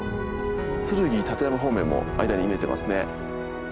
剱・立山方面も間に見えてますね。